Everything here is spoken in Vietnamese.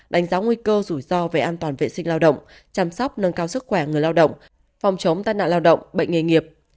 đánh giá nguy cơ rủi ro về an toàn vệ sinh lao động chăm sóc nâng cao sức khỏe người lao động phòng chống tai nạn lao động bệnh nghề nghiệp